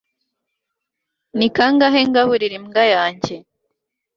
ni kangahe ngaburira imbwa yanjye